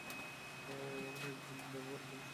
আমরা একদিন দেখা করার প্রতিশ্রুতি দিয়েছিলাম!